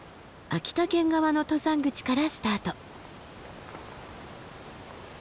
秋田県側の登山口からスタート。